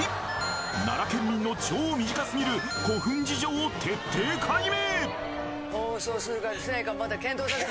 奈良県民の超身近すぎる古墳事情を徹底解明！